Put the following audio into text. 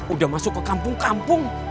udah masuk ke kampung kampung